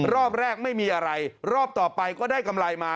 รอบแรกไม่มีอะไรรอบต่อไปก็ได้กำไรมา